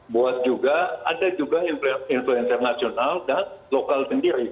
bos juga ada juga influencer nasional dan lokal sendiri